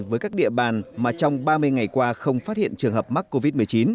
với các địa bàn mà trong ba mươi ngày qua không phát hiện trường hợp mắc covid một mươi chín